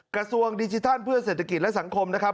กระทรวงดิจิทัลเพื่อเศรษฐกิจและสังคมนะครับ